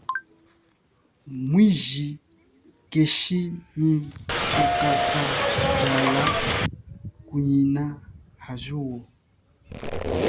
Mwiji keshi nyi kukakajala kunyina ha zuwo.